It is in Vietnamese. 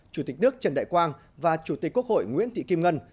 chủ tịch nước trần đại quang và chủ tịch quốc hội nguyễn thị kim ngân